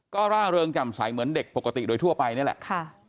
ก็ร่าเริงจำใสเหมือนเด็กปกติโดยทั่วไปนี่แหละ